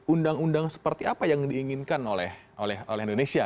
undang undang seperti apa yang diinginkan oleh indonesia